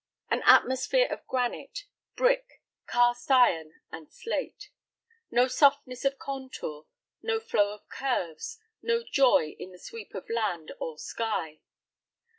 An atmosphere of granite, brick, cast iron, and slate. No softness of contour, no flow of curves, no joy in the sweep of land or sky.